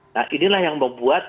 nah inilah yang membuat